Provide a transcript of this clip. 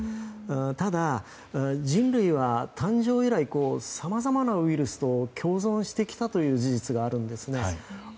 ただ、人類は誕生以来さまざまなウイルスと共存してきたという事実があるんですね。